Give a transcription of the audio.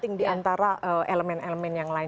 itu sangat penting diantara elemen elemen yang lain